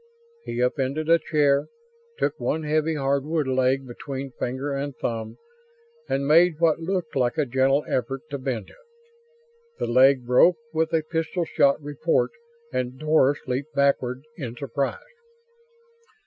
He upended a chair, took one heavy hardwood leg between finger and thumb and made what looked like a gentle effort to bend it. The leg broke with a pistol sharp report and Doris leaped backward in surprise.